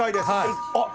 あっ！